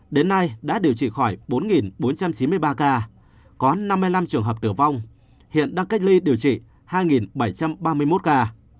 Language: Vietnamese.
đến nay đã điều trị khỏi bốn bốn trăm chín mươi ba ca có năm mươi năm trường hợp tử vong hiện đang cách ly điều trị hai bảy trăm ba mươi một ca